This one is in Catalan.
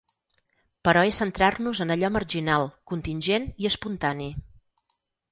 Però és centrar-nos en allò marginal, contingent i espontani.